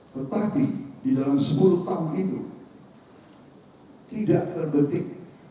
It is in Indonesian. tetapi di dalam sepuluh tahun ini tidak terbetik